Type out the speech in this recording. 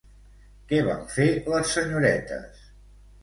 Què van fer les senyoretes?